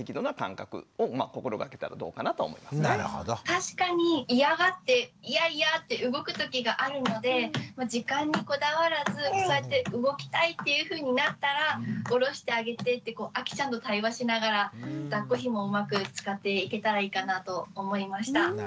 確かに嫌がってイヤイヤって動く時があるので時間にこだわらずそうやって動きたいっていうふうになったらおろしてあげてってあきちゃんと対話しながらだっこひもをうまく使っていけたらいいかなと思いました。